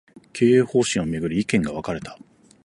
経営方針を巡り、意見が分かれた